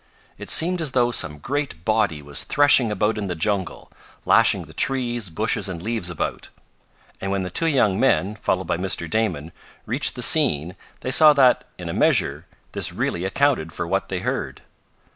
It seemed as though some great body was threshing about in the jungle, lashing the trees, bushes and leaves about, and when the two young men, followed by Mr. Damon, reached the scene they saw that, in a measure, this really accounted for what they heard.